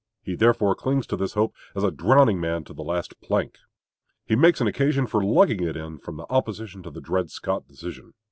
He therefore clings to this hope as a drowning man to the last plank. He makes an occasion for lugging it in, from the opposition to the Dred Scott decision.